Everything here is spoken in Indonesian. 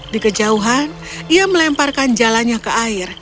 di kejauhan ia melemparkan jalannya ke air